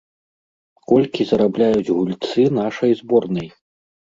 Колькі зарабляюць гульцы нашай зборнай?